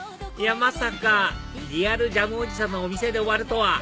まさかリアルジャムおじさんのお店で終わるとは！